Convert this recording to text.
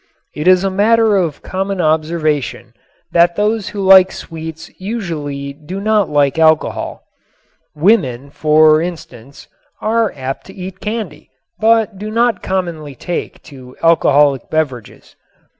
It is a matter of common observation that those who like sweets usually do not like alcohol. Women, for instance, are apt to eat candy but do not commonly take to alcoholic beverages.